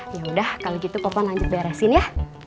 yaudah kalau gitu koko lanjut beresin ya